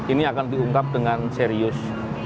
ini akan diungkap dengan serius